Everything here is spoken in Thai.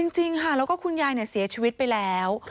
จริงค่ะแล้วก็คุณยายเสียชีวิตไปแล้ว